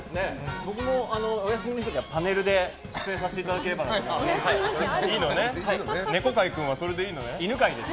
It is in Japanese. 僕もお休みの時はパネルで出演させていただければと思います。